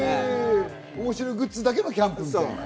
面白グッズだけのキャンプみたいな。